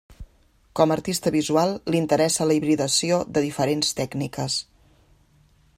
Com artista visual l'interessa la hibridació de diferents tècniques.